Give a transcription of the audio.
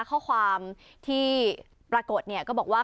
ข้อความที่ปรากฏก็บอกว่า